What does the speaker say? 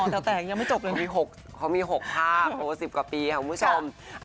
เห้าที่อัลหน้ามี๖๑๐ประวัติภาพกว่าปีค่ะคุณผู้ชม